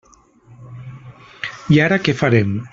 I ara què farem?